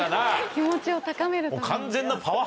気持ちを高めるために。